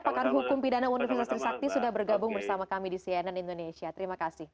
pakar hukum pidana universitas trisakti sudah bergabung bersama kami di cnn indonesia terima kasih